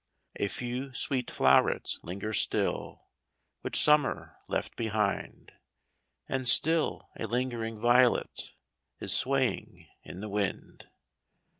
115 A few sweet flow'rets linger still, Which Summer left behind ; And still a lingering violet Is swaying in the wind.